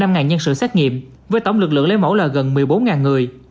năm ngàn nhân sự xét nghiệm với tổng lực lượng lấy mẫu là gần một mươi bốn người